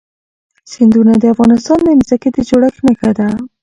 سیندونه د افغانستان د ځمکې د جوړښت نښه ده.